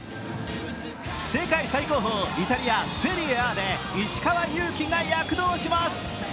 世界最高峰イタリア・セリエＡで石川祐希が躍動します。